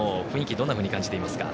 どんなふうに感じていますか？